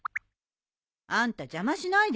あんた邪魔しないでよ。